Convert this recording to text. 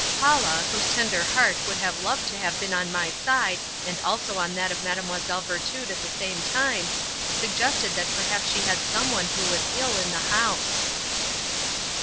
Paula, whose tender heart would have loved to have been on my side and also on that of Mlle. Virtud at the same time, suggested that perhaps she had someone who was ill in the house.